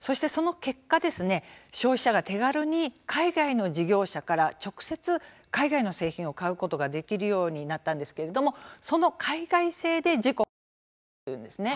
そしてその結果、消費者が手軽に海外の事業者から直接海外の製品を買うことができるようになったんですけれどもその海外製で事故が相次いでいるというんです。